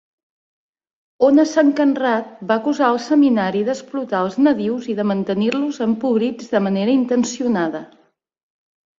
Onasakenrat va acusar el seminari d'explotar els nadius i de mantenir-los empobrits de manera intencionada.